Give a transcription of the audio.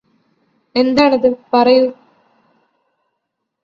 എന്താണത് പറയൂ